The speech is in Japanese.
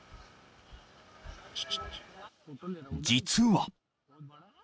［実は］